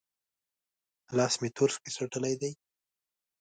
لاس مې تور سپۍ څټلی دی؟